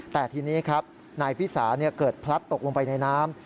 แต่ทีนี้ครับนายพิสาเกิดพลัดตกลงไปในน้ำ